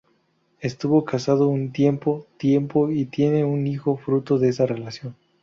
Estuvo casado un tiempo tiempo y tiene un hijo fruto de esa relación.